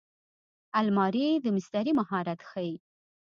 الماري د مستري مهارت ښيي